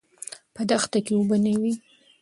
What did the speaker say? په دښته کې اوبه نه وې.